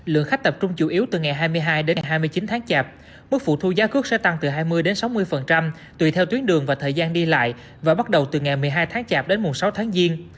lượng khách tập trung chủ yếu từ ngày hai mươi hai đến ngày hai mươi chín tháng chạp mức phụ thu giá cước sẽ tăng từ hai mươi sáu mươi tùy theo tuyến đường và thời gian đi lại và bắt đầu từ ngày một mươi hai tháng chạp đến mùng sáu tháng giêng